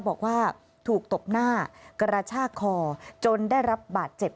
บอกว่าถูกตบหน้ากระชากคอจนได้รับบาดเจ็บ